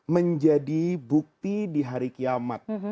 menjadi bukti di hari kiamat